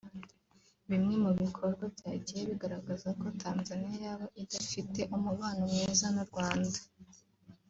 Bimwe mu bikorwa byagiye bigaragaza ko Tanzania yaba idafitanye umubano mwiza n’u Rwanda